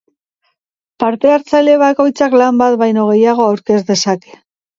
Parte-hartzaile bakoitzak lan bat baino gehiago aurkez dezake.